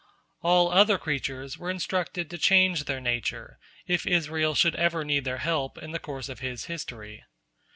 All other creatures were instructed to change their nature, if Israel should ever need their help in the course of his history.